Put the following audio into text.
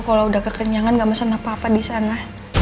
kalo udah kekenyangan gak masalah papa disana